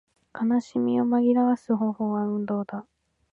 悲しみを紛らわす方法は運動だ